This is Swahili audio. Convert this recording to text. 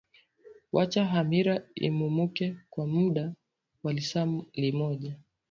wacha hamira imumuke kwa mda wa lisaa limoja